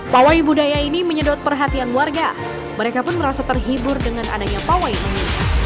pawai budaya ini menyedot perhatian warga mereka pun merasa terhibur dengan adanya pawai ini